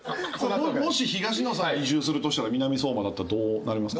もし東野さん移住するとしたら南相馬だったらどうなりますかね。